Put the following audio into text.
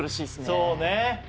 そうね